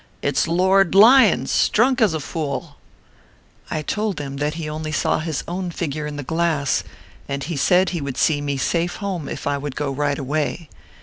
" It a Lord Lyons, s drunk as a fool/ I told him that he saw only his own figure in the glass, and he said he would see me safe home if I would go right away.